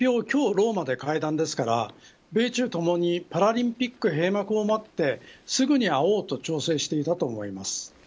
今日ローマで会談ですから米中ともにパラリンピック閉幕を待ってすぐに会おうと調整していたと思います。